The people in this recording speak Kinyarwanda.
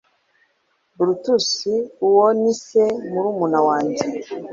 Brutus uwo nise murumuna wanjye